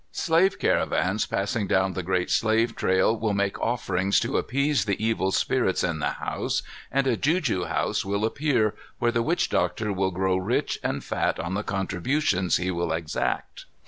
Slave caravans passing down the great slave trail will make offerings to appease the evil spirits in the house, and a juju house will appear, where the witch doctor will grow rich and fat on the contributions he will exact.